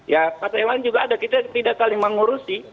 ya partai lain juga ada kita tidak saling mengurusi